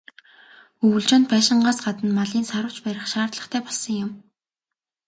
Өвөлжөөнд байшингаас гадна малын "саравч" барих шаардлагатай болсон юм.